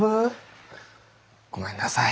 ごめんなさい